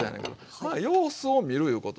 まあ様子を見るいうことですわ。